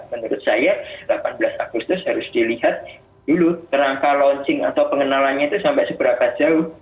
menurut saya delapan belas agustus harus dilihat dulu kerangka launching atau pengenalannya itu sampai seberapa jauh